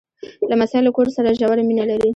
لمسی له کور سره ژوره مینه لري.